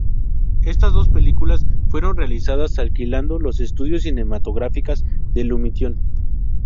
Estas dos películas fueron realizadas alquilando los estudios cinematográficos de Lumiton.